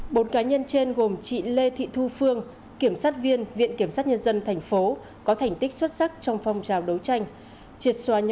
bốn cá nhân trên gồm chị lê thị thu phương kiểm sát viên viện kiểm sát nhân dân thành phố có thành tích xuất sắc trong phong trào đấu tranh